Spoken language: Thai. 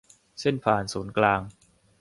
เส้นผ่าศูนย์กลาง